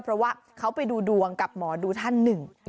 เพราะว่าเขาไปดูดวงกับหมอดูท่านหนึ่ง